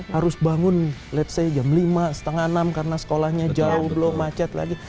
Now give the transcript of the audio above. harus bangun let's say jam lima setengah enam karena sekolahnya jauh belum macet lagi